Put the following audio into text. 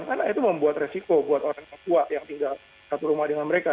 karena itu membuat resiko buat orang papua yang tinggal satu rumah dengan mereka